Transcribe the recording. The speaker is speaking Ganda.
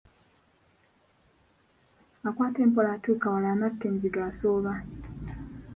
Akwata empola atuuka wala atuuka wala, anatta enzige asooba.